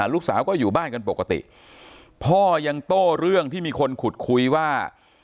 ลูกสาวก็อยู่บ้านกันปกติพ่อยังโต้เรื่องที่มีคนขุดคุยว่า